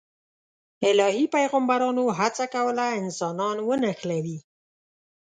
الهي پیغمبرانو هڅه کوله انسانان ونښلوي.